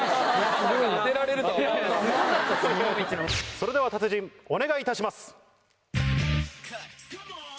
それでは達人お願いいたします。